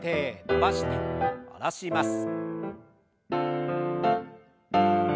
伸ばして下ろします。